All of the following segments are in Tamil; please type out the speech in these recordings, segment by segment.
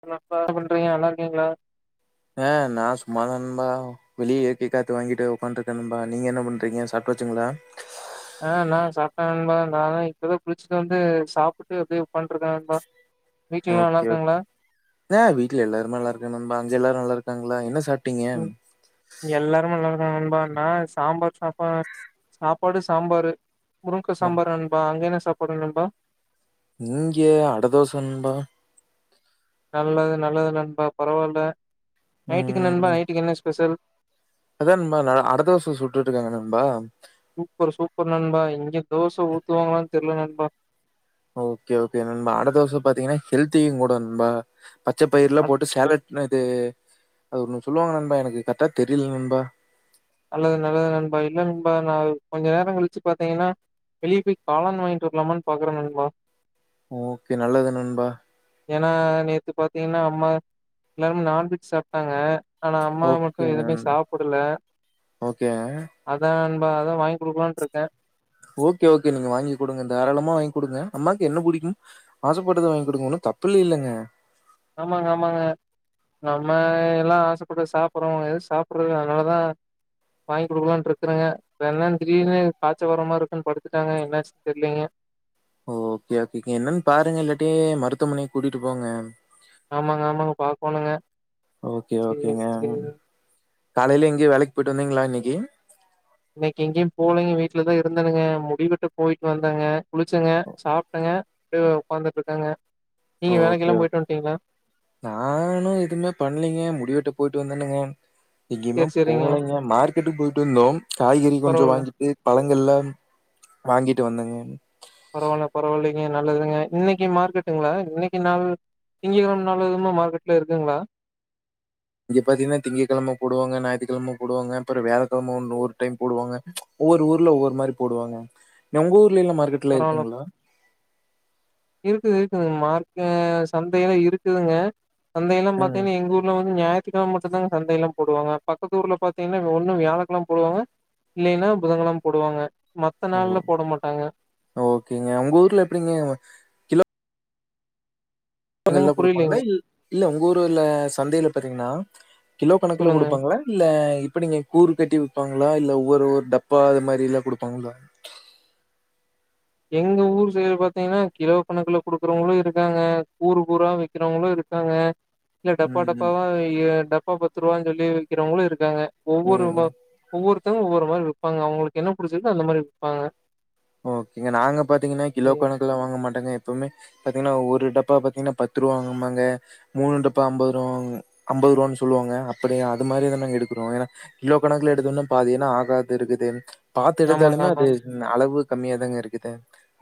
ஹலோ அக்கா என்ன பண்றீங்க நல்லா இருக்கீங்ளா ஆ நா சும்மாதான்டா வெளிய இயற்கை காத்து வாங்கிட்டு உக்கான்ட்டு இருக்கே நண்பா நீங்க என்ன பண்றீங்க சாப்ட்டாச்சுங்களா ஆ நா சாப்பிட்டே நண்பா நா தா இப்பதா குளிச்சுட்டு வந்து சாப்ட்டு அப்டியே உக்கான்ட்டு இருக்கே நண்பா வீட்ல எல்லா நல்லா ஓகே ஒக் இருக்காங்களா ஏ வீட்ல எல்லாருமே நல்லா இருக்க நண்பா அங்க எல்லாரு நல்லா இருக்காங்களா என்ன சாப் ம் எல்லாரு நல்லா இருக்காங்க நண்பா நா சாம்பார் சாப்பாட் சாப்பாடு சாம்பாரு முருங்க்கா ஓ சாம்பாரு நண்பா அங்க என்ன சாப்பாடு நண்பா இங்கே அடதோச நண்பா நல்லது நல்லது நண்பா பரவால்ல நைட்டுக்கு நண்பா ம் நைட்டுக்கு என்ன ஸ்பெஷல் அதா நண்பா அடதோச சுட்டுட்டு இருக்காங்க நண்பா சூப்பர் சூப்பர் நண்பா இங்க தோச ஊத்துவாங்களான்னு தெரில நண்பா ஓகே ஓகே நண்பா அடதோச பாத்தீங்கன்னா ஹெல்த்தியு கூட நண்பா பச்ச பயிர்லா அ- போட்டு சேலட் என்னது அது ஒண்ணு சொல்லுவாங்க நண்பா எனக்கு கர்ட்டா தெரில நண்பா நல்லது நல்லது நண்பா இல்ல நண்பா நா கொஞ்ச நேரோ கழிச்சு பாத்தீங்கன்னா வெளிய போய் காளான் வாங்கிட்டு வர்லாமான்னு பாக்குறே நண்பா ஓகே நல்லது நண்பா ஏன்னா நேத்து பாத்தீங்கன்னா அம்மா எல்லார்மே நான்வெஜ் சாப்டாங்க ஆனா அம்மா ஓகே மட்டு எதுமே சாப்படல ஓகே அதா நண்பா அதா வாங்கி் குடுக்கலான்ட்டு இருக்கே ஓகே ஓகே நீங்க வாங்கி் குடுங்க தாராளமா வாங்கி் குடுங்க அம்மாக்கு என்ன புடிக்கு ஆசபட்டத வாங்கி குடுங்க ஒண்ணு தப்பு இல்லில்லங்க ஆமாங்க ஆமாங்க நம்ம எல்லா ஆசப்பட்டு சாப்புறோ எது சாப்றது அதனாலதா வாங்கி் குடுக்கலாருக்குறங்க என்ன திடீனு காச்ச வரமாருக்குனு படுத்துட்டாங்க என்னாச்சு தெரிலீங்க ஓ ஓகே ஓகேங்க என்னன் பாருங்க இல்லாட்டி மருத்துவமனைக்கு கூட்டிட்டு போங்க ஆமாங்க ஆமாங்க பாக்கோணுங்க ஓகே சேரி ஓகேங்க சேரிங்க காலையில எங்கயு வேலைக்கு போய்ட்டு வந்தீங்களா இன்னைக்கு இன்னைக்கு எங்கேயு போலங்க வீட்லதா இருந்தனுங்க முடி வெட்ட போயிட்டு வந்தங்க குளிச்சங்க சாப்டங்க ட்டு உக்காந்துட்ருக்கங்க ஓகே ஓ நானு எதுவுமே பண்லைங்க முடிவெட்ட போயிட்டு வந்தேனுங்க எங்கயுமே சேரி சேரிங்க போலங்க மார்க்கெட்டுக்கு போயிட்டு வந்தோ காய்கறி கொஞ்சோ பரவால்ல வாங்கி ட்டு பழங்கள்லா வாங்கிட்டு வந்தங்க பரவால்ல பரவால்லைங்க நல்லதுங்க இன்னைக்கு மார்க்கெட்டுங்ளா இன்னைக்கு நாள் திங்ககெழம நாலதுதமா மார்க்கட்லா இருக்குங்களா இங்க பாத்தீங்னா திங்ககெழம போடுவாங்க ஞாயித்துக்கெழம போடுவாங்க அப்பற வியாழகெழம ஒன்னு ஒரு டைம் போடுவாங்க ஒவ்வொரு ஊர்ல ஒவ்வொரு மாறி போடுவாங்க உங்க ஊர்லல்லா மார்கெட்ல்லா பரவால்ல. இருக்குங்களா இருக்குது இருக்குது மார்க்கு சந்தையல்லா இருக்குதுங்க சந்த எல்லா ம். பாத்தீங்ன்னா எங்க ஊர்ல வந்து ஞாயி த்து கெழம மட்டுதா சந்தை எல்லா போடுவாங்க பக்கத்து ஊர்ல பாத்தீங்கன்னா ஒன்னு வியாழகெழம போடுவாங்க இல்லைன்னா புதங்கெழம போடுவாங்க மத்த ஓ! நாள்ல போட மாட்டாங்க ஓகேங்க உங்க ஊர்ல எப்டிங்க [unintelligible] என்னங்க எல்லா குடுப்பாங்களா புரியலைங்க. இல்ல உங்க ஊர்ல சந்தையில பாத்தீங்னா கிலோ கணக்குல சொல்லுங்க. குடுப்பாங்களா இல்ல இப்ப நீங்க கூறு கட்டி விப்பாங்களா இல்ல ஒவ்வரு டப்பா அது மாரி எல்லா குடுப்பாங்களா எங்க ஊர் சைடு பாத்தீங்கன்னா கிலோ கணக்குல குடுக்குறவங்களு இருக்காங்க கூறு கூரா விக்கிறவங்களு இருக்காங்க இல்ல டப்பா ம், ம். டப்பாவா எ டப்பா பத்து ரூவான் சொல்லி விக்கிறவங்களு இருக்காங்க ஒவ்வொரு ம். ம். ஒவ்வொருத்தங்க ஒவ்வொரு மாறி விப்பாங்க அவங்களுக் என்ன புடிச்சுருக்கோ அந்த மாரி விப்பாங்க ஓகேங்க நாங்க பாத்தீங்கன்னா கிலோ ம் கணக்கல்லா வாங்க மாட்டோங்க எப்பமே பாத்தீங்கன்னா ஒரு டப்பா பாத்தீங்கன்னா பத்து ரூபா வாங்கம்பாங்க மூணு டப்பா அம்பது ருவா அம்பது ருவான் சொல்லுவாங்க அப்படி அது மாரிதா நாங்க எடுக்குறோ ஏனா கிலோ கணக்ல எடுத்தோனா பாதியானா ஆகாது இருக்குது பாத்து ஆமாங்க எடுத்தாலுமே அது ஆமாங்க அளவு கம்மியா தாங்க இருக்குது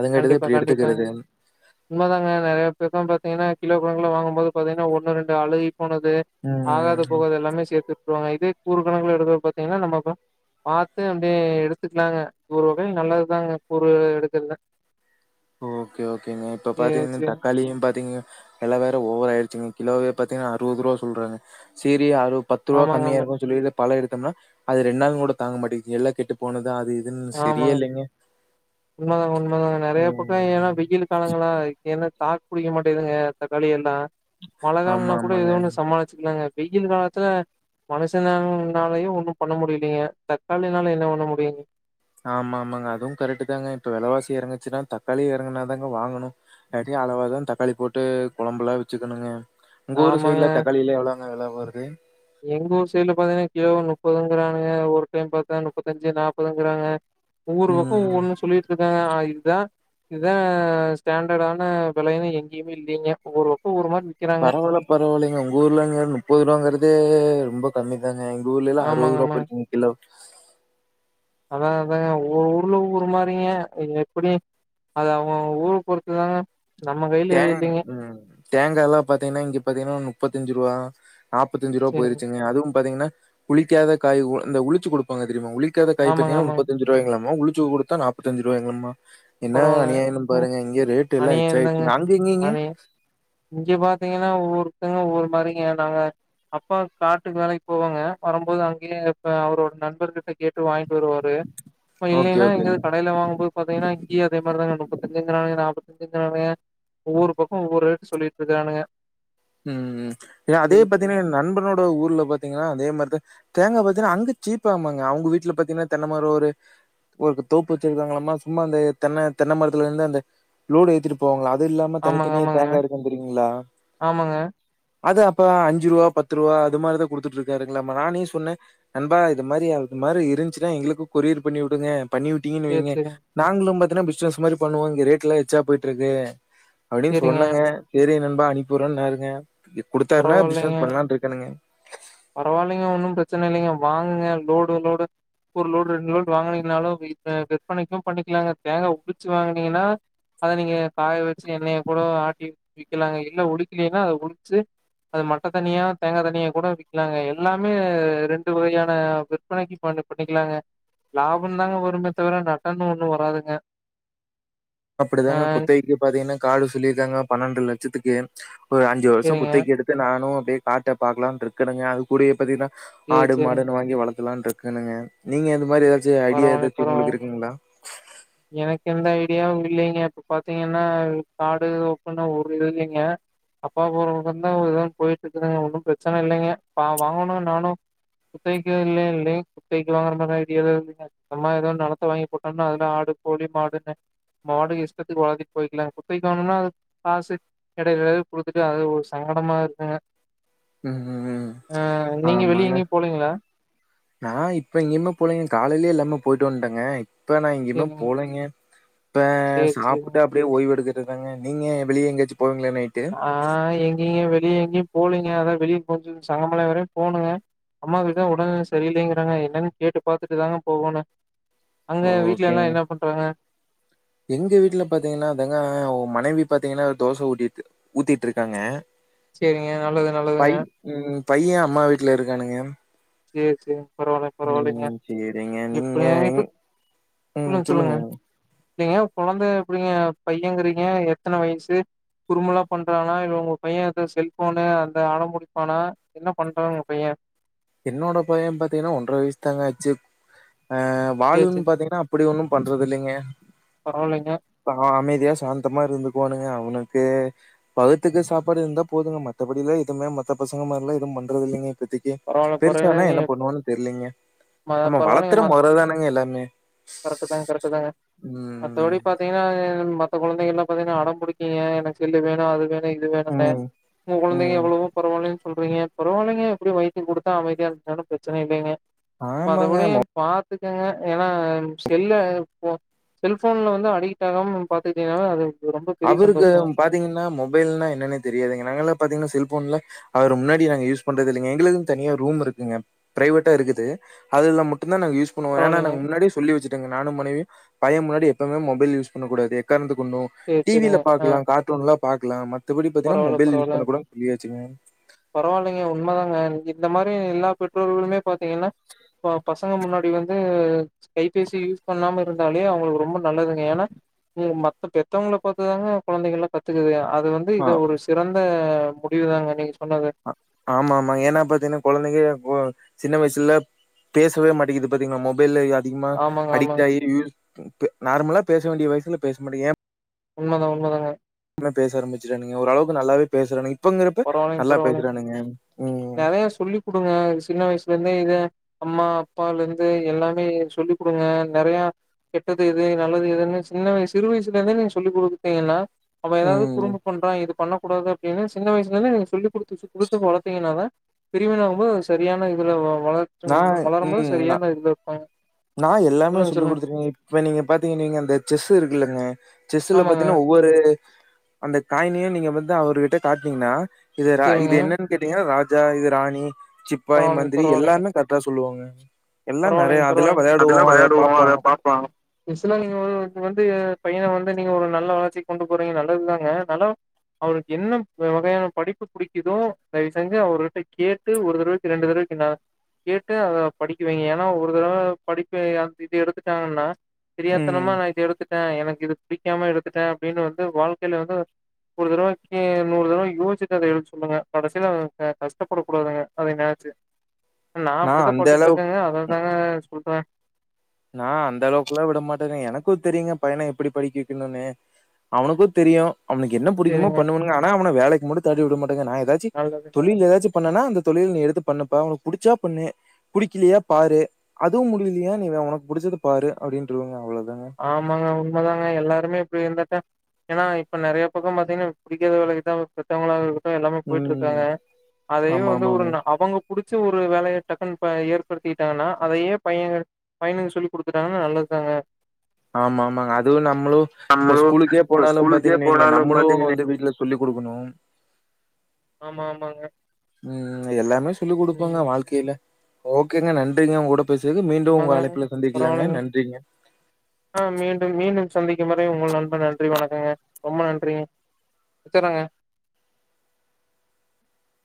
அதுங்கட்டுதா இப்டி எடுத்துக்கிறது உண்ம தாங்க நெறைய [unintelligible] பாத்தீங்கன்னா கிலோ கணக்குல வாங்கும் போது பாத்தீங்கன்னா ஒன்னு ரெண்டு அழுகி போனது ஆகாது ம். போகாதது எல்லாமே சேத்துட்டுருவாங்க இதே கூறுகணக்ல எடுத்து பாத்தீங்கன்னா நம்ம பாத்து அப்டியே எடுத்துக்கலாங்க ஒரு வகையில நல்லதுதாங்க கூரு எடுக்கிறது ஓகே ஓகேங்க இப்ப ஏ பாத்தீங்கன்னா சே தக்காளியு பாத்தீங்க வெல வேற ஓவராயிடுச்சுங்க கிலோவே பாத்திங்கன்னா அறுபது ரூவா சொல்றாங்க சேரி அறுப பத்துருவா ஆமாங்க கம்மியா ஆமா இருக்குனு சொல்லி பழ எடுத்தம்னா அது ரெண் நாள் கூட தாங்க மாட்டேது எல்லா கெட்டு டு போனதா அது இதுன்னு ஆமாங்க சரியே இல்லைங்க உண்மதாங்க உண்மதாங்க நெறைய பக்க ஏன்னா ம். வெயிலு காலங்களா ஏன தாக் புடிக்க மாட்டேதுங்க தக்காளி எல்லா மழ ஆமா, காலனா கூட எது ஆமாங்க. ஒண்ணு சமாளிச்சிக்கலாங்க வெயில் காலத்துல மனுஷனனாலயு ஒன்னு பண்ண முடியலீங்க தக்காளினால என்ன பண்ண முடியுங் ஆமா ஆமாங்க அதுவு கரெக்ட்டு தாங்க இப்ப வெலவாசி எறங்குச்சுன்னா தக்காளியு எறங்குனாதாங்க வாங்கணு அதி அளவா தா தக்காளி போட்டு கொழம்புல வச்சுக்கணுங்க உங்க ஊரு ஆமாங்க. சைடுல தக்காளிலா எவ்ளவுங்க வெல வருது எங்க ஊர் சைட்ல பாத்தீங்கன்னா கிலோ முப்பதுங்கிறாங்க ஒரு டைம் பாத்தா முப்பத்தஞ்சு நாப்பதுங்கிறாங்க ஒவ்வொரு பக்க ம். ஒவ்வொனு சொல்லிட்ருக்காங்க அ இதா இதா ஸ்டாண்டர்டான வெலயுனு எங்கயுமே இல்லிங்க ஒவ்வொரு பக்கோ ஒரு மாரி விக்கிறாங்க. பரவால்ல பரவாலிங்க உங்க ஊர்லங்க முப்பது ரூபாங்கறது ரொம்ப கம்மி தாங்க எங்க ஊர்லல்லா அறுவது ஆமாங்க, ரூபா ஆமாங்க. போய்ருக்குங்க கிலோ அதா அதாங்க ஒவ்வொரு ஊர்ல ஒவ்வொரு மாரிங்க இங்க இப்டி அது அவுங்க அவுங்க ஊர பொறுத்துதாங்க நம்ம கையில எதுவு தேங் இல்லிங்க ம் தேங்கால்லா பாத்தீங்கன்னா இங்க பாத்தீங்கன்னா முப்பத்தஞ்சு ரூவா நாப்பத்தஞ்சு ரூவா சரி போய்ருச்சுங்க அதுவு பாத்தீங்கன்னா உளிக்காத காய் ஒ அந்த உளிச்சு குடுப்பாங்க தெரியுமா உழிக்காத காய் ஆமாங்க பத்திங்கனா ஆமாங்க முப்பத்தஞ்சு ரூவாங்களமா உளிச்சு குடுத்தா நாப்பத்தஞ்சு ரூவாங்களமா என்ன பரவால்ல அநியாயன்னு பாருங்க இங்க ரேட் எல்லா ச்சை ஏங்க [unintelligible] இங்க பாத்தீங்கன்னா ஒவ்வொருத்தவங்களு ஒவ்வொரு மாரிங்க நாங்க அப்பா காட்டுக்கு வேலைக்கு போவாங்க வரபோது அங்கேயே இப்ப அவரோட நண்பர்க கிட்டகேட்டு வாங்கிட்டு வருவாரு அப்பா ஓகே, இல்லெனா ஓகேங்க. இங்கேது கடையில வாங்குபோது பாத்தீங்கன்னா இங்கியு அதே மாரிதாங்க முப்பத்தஞ்சிங்கிறாங்க நாப்பத்ஞ்சிங்கிறாங்க ஒவ்வொரு பக்க ஒவ்வொரு ரேட்டு சொல்லிட்ருக்கானுங்க ம் ம் ஏனா அதே சேரி பாத்தீங்கன்னா என் நண்பனோட ஊர்ல பாத்தீங்கன்னா அதே மாரிதா தேங்கா பாத்தீங்கன்னா அங்க சீப்பு ஆமாங்க அவுங்க வீட்டுல பாத்தீங்கன்னா தென்னைமரோ ஒரு ஒருக்கு தோப்பு வச்சுருக்காங்களம்மா சும்மா அந்த தென்ன தென்ன மரத்துல இருந்து அந்த லோடு ஏத்துட்டு போவங்கள அது இல்லாம தனி ஆமாங்க தனியா ஆமாங்க தேங்கா இருக்கு தெரியுங்களா ஆமாங்க அது அப்ப அஞ்சு ரூவா பத்து ரூவா அதுமாரி தா குடுத்துட்டு இருக்காருங்களாமா நானே சொன்னெ நண்பா இது மாரி அது மாரி இருந்துச்சுன்னா எங்களுக்கு கொரியர் பண்ணி வுடுங்க பண்ணி வி ட்டுங்கனு சேரி வைங்க சேரிங்க நாங்களு பாத்தீன்னா பிஸ்னஸ் மாரி பண்ணுவோ இங்க ரேட் எல்லா எச்சா போய்ட்டு இருக்கு அப்டின்னு சேரிங்க சொன்னங்க செரி நண்பா அனுப்பி வுடுறானாருங்க இங்க குடுத்தாருன்னா பிசினஸ் பண்லான்னு இருக்கெனுங்க பரவால்லிங்க ஒன்னு ப்ரச்சன இல்லிங்க வாங்குங்க லோடு லோடு ஒரு லோடு ரெண்டு லோடு வாங்கினீங்கனாலு [unintelligible] விற்பனைக்கு பண்ணிக்கிலாங்க தேங்கா உறிச்சு வாங்குனீங்கன்னா அத நீங்க காய வச்சு எண்ணெய கூட ஆட்டி விக்கலாங்க இல்ல உழிக்கலன்னா அத உழிச்சு அத மட்ட தனியா தேங்கா தண்ணியா கூட வி க்கிலாங்க எல்லாமே ரெண்டு வகையான விற்பனைக்கு பண்ணி பண்ணிக்கிலாங்க லாபன்னுதா வருமே தவிர நட்டன்னு ஒண்ணு வராதுங்க ஆ அப்டித்தாங்க குத்தகைக்கு பாத்தீங்கன்னா காடு சொல்லிருக்காங்க பன்னெண்டு லட்சத்துக்கு ஒரு அஞ்சு வர்ஷோ சரிங்க குத்தைக்கு எடுத் து நானு அப்டியே காட்ட பாக்கலாம்னு இருக்கணுங்க அது கூடவே பத்தின சேரி ஆடு சேரிங்க மாடுன்னு வாங்கி வளத்தலாம்னு இருக் க்கணுங்க நீங்க இந்த மாரி ஏதாச்சு ஐடியா பரவாயில்ல ஏதாச்சு உங்களுக்கு பரவாயில்ல இருக்குங்களா எனக்கு எந்த ஐடியாவு இல்லிங்க இப்ப பாத்தீங்கன்னா காடு தோப்புன்னு ஒரு இது இல்லிங்க அப்பா போற பக்கோந்தா [unintelligible] போய்ட்டு இருக்குதுங்க ஒன்னு ப்ரச்சனை இல்லைங்க பாவ் வாங்குனு நானு குத்தவக்கே இல்ல இல்லைங் குத்தவிக்கு வாங்கற மாரிலா ஐடியா ஏது இல்லிங்க சொந்தமா ஏதா நெலத்த வாங்கி போட்டோம்னா அதுல ஆடு கோழி மாடுன்னு மாடு இஷ்டத்துக்கு வாங்கிட்டு போய்க்கலா குத்தவிக்கி வாங்கனுன அதுக் காசு எடையில எடையில குடுத்துட்டு அது ஒரு சங்கடமா இருக்குங்க ம்ஹ்ம். அ நீங்க வெளிய எங்கயு போலீங்களா நா இப்ப இங்கயுமே போலங்க காலையிலயே எல்லாம போய்ட்டு வந்துட்டேங்க இப்ப நா இங்கேயுமே சேரிங்க போலங்கெ இப்ப சேரி சேரிங்க சாப்புட்டு அ ட்டுயே ஓய்வு எடுக்காறது தாங்க நீங்க வெளியே எங்காச்சு போவீங்கள நைட்டு ஆ எங்கிங்க வெளியே எங்கேயு போலீங்க அதா வெளிய கொஞ்ச சமமழ வேற போணுங்க அம்மாக்கு தா உடல்நிலை சரியில்லேங்கறங்க என்னன்னு கேட்டு பாத்துட்டு தாங்க போகணு அங்க வீட்ல எல்லா ஓகேங்க. என்ன பண்றாங்க எங்க வீட்டுல பாத்திங்ன்னா அதிங்க மனைவி பாத்திங்கன்னா தோச ஊத்திட்டு இருக்காங்க சேரிங்க நல்லது பை நல்லதுங்க ம் பைய அம்மா வீட்ல இருக்கானுங்க சேரி சேரி பரவால்ல பரவால்லிங்க ம் சேரிங்க நீங்க இப்டி இப்ப சொல்லுங்க பாத்திங்னா கொழந்த அப்டிங்றீங்க பையங்றீங்க எத்தன வயசு குருபெல்லா பண்றானா இல்ல உங்க பைய அ செல்போனு அந்த அடம்புடிப்பானா என்ன பண்றாங் ஊங்க பைய என்னோட பைய பாத்திங்கன்னா ஒன்ற வயசு தாங்க ஆச்சு அ சேரி வாழுன்னு சேரி பாத்திங்கன்னா அப்படி ஒன்னு பண்றது இல்லைங்க பரவால்லிங்க அமைதியா சாந்தமா இருந்து பானுங்க அவனுக்கு வகுத்துக்கு சாப்பாடு இருந்தா போதுங்க மத்தபடியில எது மத்த பசங்க மாதிர எல்லா எதுவு பண்றது இல்லங்க இப்போதிக்கு பரவால்ல பெருசா ஆனா பரவால்லைங்க என்ன பண்ணுவான்தெரிலிங்க ம நம்ம வளத்துற மொரதானேங்க எல்லாமே கரெக்ட் தா கரெக்ட தாங்க ம் மத்தபடி பாத் பாத்திங்ன்னா மத்த கொழந்தைகள்லல பாத்திங்ன்னா அடோ புடிக்குங்க எனக்கு செல்லு வேணு அது வேணு இது வேணுன்னு ம் உங்க கொழந்தைங்க ம் எவ்ளோவோ பரவால்லைன்னு சொல்றீங்க பாரவால்லைங்க எப்டியோ வைத்துக்கு குடுத்தா அமைதியா இருந்தா பிரச்சன இல்லைங்க ஆமாங்க மத்தபடி பாத்துக்கங்க ஏனா செல்ல செல்போன்ல வந்து அடிக்ட் ஆகாம பாத்துக்கிட்னால அது ரொம்ப பெரிய அவருக்கு சந்தோஷங்க பாத்திங்ன்னா மொபைல்னா என்னன்னே தெரியாதுங்க நாங்க எல்லா பாத்திங்கன்னா செல்போன்ல அவரு முன்னாடி நாங்க யூஸ் பண்றது இல்லங்க எங்ளுக்கு தனியா ரூம் இருக்குங்க பிரைவேட்டா இருக்குது அதுல மட்டு தா நாங்க யூஸ் பண்ணுவோ ஏனா பரவாயில்லைங்க முன்னாடி சொல்லி வச்சுட்டாங்க நானு மனைவியு பைய முன்னாடி எப்பவுமே மொபைல் யூஸ் பண்ணக்க கூடாது எக்ரணத்தக்கொண்டு சேரி டீவில சேரிங்க ஆ பாக்ல கார்டூன்லா பாக்கலா மத்தபடி பாத்திங்ன்னா பரவால்ல மொபைல் யூஸ் பண்ண கூடதுண்ணு சொல்லியாச்சுங்க பரவால்லிங்க உண்மதாங்க இந்த மாதிரி எல்லா பெற்றோர்களுமே பாத்திங்கன்னா இப்ப பசங்க முன்னாடி வந்து கைபேசி யூஸ் பண்ணாம இருந்தாலே அவுங்களுக்கு ரொம்ப நல்லதுங்க ஏனா ம் மத்த பெத்தவங்கள பாத்துதாங்க கொழந்தைகள் எல்லா கத்துக்குது அது வந்து ஆ ஒரு சிறந்த முடிவு தாங்க நீங்க சொன்னது ஆமா ஆமா ஏன்னா பாத்திங்கன்னா கொழந்தைக்கு அ சின்ன வயசுல பேசவே மாட்டேங்கிது பாத்திங்ளா மொபைல்ல அதிகமா ஆமாங்க அடிக்ட் ஆமாங்க ஆகி யூ நார்மலா பேச வேண்டிய வயசுல பேச மாட்டேங்கிது ஏ உண்மதா உண்மதாங்க பேச ஆரம்பிச்சறானுங்க ஓரளவுக்கு நல்லாவே பேசுறானுங்க இப்பங்குறப்ப நல்லா பேசுறானுங்க ம் ஏ சொல்லி குடுங்க சின்ன வயசுல இருந்தே இத அம்மா அப்பாலருந்து எல்லாமே சொல்லி குடுங்க நறைய கெட்டது எது நல்லது எதுன்னு சின்ன வய சிறுயசுல இருந்தே நீங்க சொல்லிக் குடுக்தீங்கன்னா அவ ஏதாவ்து ம். குரும்பு பண்றா இது பண்ணக்க கூடாது அப்டின்னு சின்ன வயசுலருந்து நீ சொல்லி சொல்லிக்குடுத்து வள்த்திங்கன்னாதா பெரியவன ஆகும்போது சரியான இதுலள ம் நான் வளரும்போது ம் சரியான இதுல இருப்பாங்க நா எல்லாமே சொல்லுங்க சொல்லுங்க சொல்லிக்குடுதுருக்கேங்க இப்ப நீங்க பாத்திங்க நீங்க அந்த செஸ் இருக்குல்லங்க செஸ்சுல ஆமாங்க பாத்தீன்னா ஒவ்வொரு அந்த காயினையு நீங்க வந்து அவர்கிட்ட காட்னீங்கன்னா இது ரா இது சேரிங்க என்னன்னு கேட்டீங்கன்னா ராஜா இது ராணி சிப்பாய் பரவால்லைங்க மந்திரி பரவால்லைங்க எல்லாமே கரெக் ட்டா சொல்லுவாங்க எல்லா நறையா அது போலாங்க அதெல்லா விளையாடுவா அத பாப்பா யூஷ்ல்லா நீங்க வந்து பையனை வந்து நீங்க ஒரு நல்ல வளர்ச்சிக்கு கொண்டு போறீங்க நல்லதுதாங்க இருந்தாலு அவுருக்கு என்ன வகையான படிப்பு புடிக்குதோ தயவுசெஞ்சு அவருகிட்ட கேட் டு ஒரு தடவைக்கு ரெண்டு தடவைக்கு ந கேட்டு அத படிக் க வைங்க ஏன்னா ஒரு தடவை படிப்பு இது எடுத்துட்டாங்கன்னா ம். தெரியாத்தனமா நா இத எடுத்துட் டே எனக்கு இது புடிக்காம எடுத்துட்டே அப்படின்னு வந்து வாழ்க்கையில வந்து ஒரு தடவைக்கு நூறு தடவை யோசிச்சிட்டு அத எடுக்க சொல்லுங்க கடைசியில அவுங்க கஷ்டப்படக் கூடாதுங்க அதை நினைச்சு நா நான் அப்படித்தா அந்த பட்டுட்டு அளவுக்கு இருக்கேங்க அததாங்க சொல்றே நா அந்த அளவுக்கு எல்லா விட மாட்டேங்க எனக்கும் தெரியுங்க பையனை எப்பிடி படிக்க வைக்கணுன்னு அவனுக்கும் தெரியு அவனுக்கு என்ன புடிக்குமோ சேரிங்க பண்ணுவேணுங்க ஆனா அவன வேலைக்கு மட்டு தாட்டி விடமாட்டேங்க நா ஏதாச்சு நல்லது நல்லது தொழில் ஏதாச்சு பண்ணன்னா அந்த தொழில் நீ எடுத்து பண்ணுப்பா உனக்கு புடிச்சா பண்ணு புடிக்கிலையா பாரு அதுவு முடியிலையா நீ உனக்கு புடிச்சத பாரு அப்படின்றுவேங்க அவ்ளோதாங்க ஆமாங்க உண்மைதாங்க எல்லாருமே இப்டி இருந்துட்டா ஏன்னா இப்ப நெறைய பக்கம் பாத்தீங்கன்னா புடிக்காத வேலைக்குதா பெத்தவுங்களாவே இரு எல்லாமே போயிட்டு இருக்காங்க ம். அதையு வந்து ஆமாமாங்க. [unintelligible] அவுங்க புடிச்ச ஒரு வேலைய டக்குன் இப்ப ஏற்படுத்திட்டாங்கன்னா அதையே பையன் பையனுக்கு சொல்லி குடுத்துட்டாங்கன்னா நல்லது தாங்க ஆமா ஆமாங்க அதுவு நம்மளும் இப்ப நம்மளு ஸ்கூலுக்கே இப்ப போனாலு ஸ்கூலுக்கே பாத்தீங்கன்னு வைங்க போனாலு நம்மளும் பாத்தீங்கன்னா வந்து வீட்ல சொல்லி் குடுக்கணு ஆமா ஆமாங்க உம் உம் எல்லாமே சொல்லிக் குடுப்பேங்க ம் வாழ்க்கையில ஓக்கேங்க நன்றிங்க உங்ககூட பேசியது மீண்டும் உங்கள உண்மதாங்க அழைப்புல சந்திக்கலாங்க நன்றிங்க அ மீண்டும் மீண்டும் சந்திக்கும் வரை உங்க நண்பன் நன்றி வணக்கங்க ரொம்ப நன்றிங்க வச்சட்றங்க